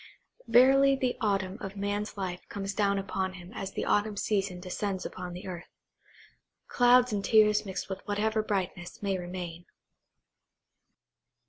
Verily the autumn of man's life comes down upon him as the autumn season descends upon the earth. Clouds and tears mixed with whatever brightness may remain.